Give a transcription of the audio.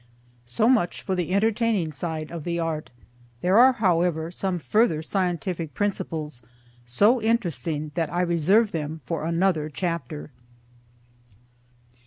So much for the entertaining side of the art. There are, however, some further scientific principles so interesting that I reserve them for another chapter.